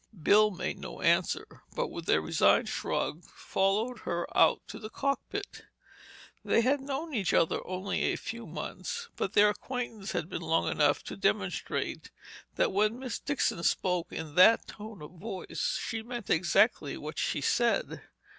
Bill made no answer, but with a resigned shrug, followed her out to the cockpit. They had known each other only a few months, but their acquaintance had been quite long enough to demonstrate that when Miss Dixon spoke in that tone of voice, she meant exactly what she said.